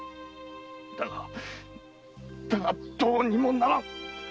だがだがどうにもならぬ。